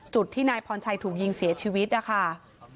จุดที่นายพรชัยถูกยิงเสียชีวิตนะคะ